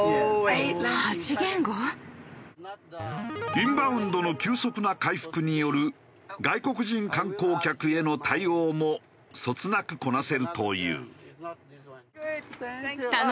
インバウンドの急速な回復による外国人観光客への対応もそつなくこなせるという。